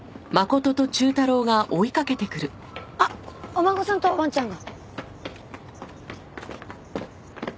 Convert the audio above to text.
あっお孫さんとわんちゃんが。